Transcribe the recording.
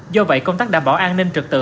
do vậy công tác đảm bảo an ninh trực tự